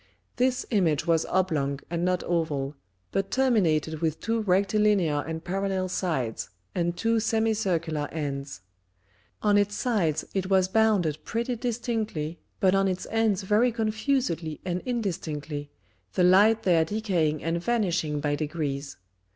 This Image was Oblong and not Oval, but terminated with two Rectilinear and Parallel Sides, and two Semicircular Ends. On its Sides it was bounded pretty distinctly, but on its Ends very confusedly and indistinctly, the Light there decaying and vanishing by degrees.